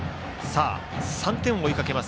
３点を追いかける